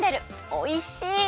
おいしい！